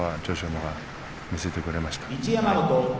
馬が見せてくれました。